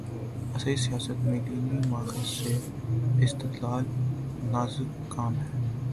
عصری سیاست میں دینی ماخذ سے استدلال‘ نازک کام ہے۔